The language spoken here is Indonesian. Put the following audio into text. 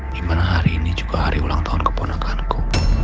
dimana hari ini juga hari ulang tahun keponakan ku